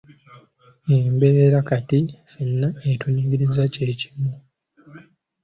Embeera kati ffenna etunyigiriza kye kimu.